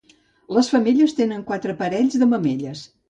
Les femelles tenen quatre parells de mamelles.